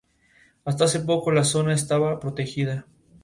Hasta hace poco la zona estaba protegida.